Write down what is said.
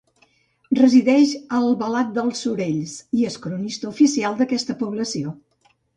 Resideix a Albalat dels Sorells, i és cronista oficial d'aquesta població.